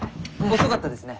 遅かったですね。